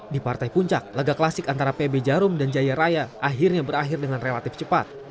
di partai puncak laga klasik antara pb jarum dan jaya raya akhirnya berakhir dengan relatif cepat